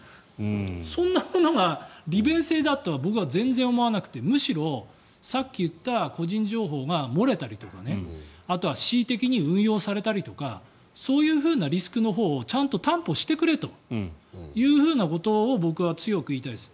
そんなものが利便性だとは僕は全然思わなくてむしろ、さっき言った個人情報が漏れたりとかあとは恣意的に運用されたりとかそういうリスクのほうをちゃんと担保してくれということを僕は強く言いたいです。